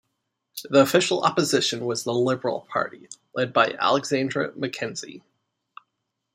The Official Opposition was the Liberal Party, led by Alexander Mackenzie.